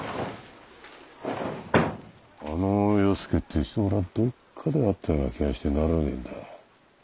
あの与助っていう人俺はどっかで会ったような気がしてならねえんだ。